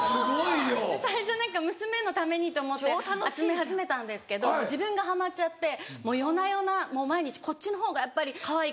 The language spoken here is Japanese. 最初娘のためにと思って集め始めたんですけど自分がハマっちゃってもう夜な夜な毎日「こっちの方がやっぱりかわいいかな？